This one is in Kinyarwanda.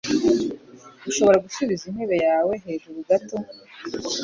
Ushobora gusubiza intebe yawe hejuru gato?